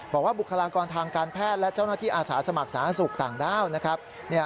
บอกว่าบุคลากรทางการแพทย์และเจ้าหน้าที่อาสาสมัครสนักศึกต่างด้าว